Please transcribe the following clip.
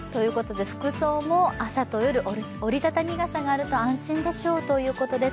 服装も朝と夜、折り畳み傘があると安心でしょうということです。